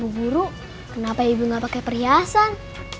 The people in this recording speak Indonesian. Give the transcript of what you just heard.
bu guru kenapa ibu enggak pakai perhiasan